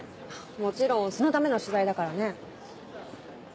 もちろんそのための取材だからね。